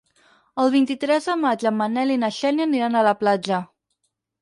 El vint-i-tres de maig en Manel i na Xènia aniran a la platja.